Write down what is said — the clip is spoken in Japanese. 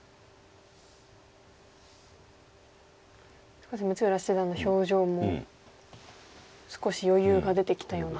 少し六浦七段の表情も少し余裕が出てきたような。